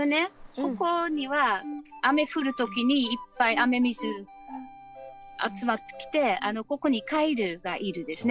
ここには雨降る時にいっぱい雨水集まってきてここにカエルがいるんですね。